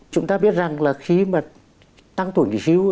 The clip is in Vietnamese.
chúng ta biết rằng khi tăng tuổi nghỉ hưu